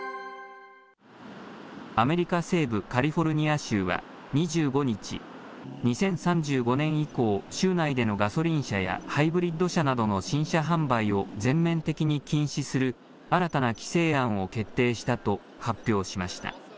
アメリカ西部カリフォルニア州は、２５日、２０３５年以降、州内でのガソリン車やハイブリッド車などの新車販売を全面的に禁止する新たな規制案を決定したと発表しました。